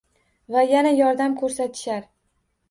Va yana yordam ko’rsatishar.